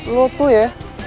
lo tuh ya